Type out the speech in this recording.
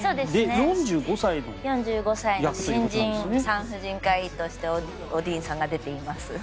４５歳の新人産婦人科医ということでおディーンさんが出ています。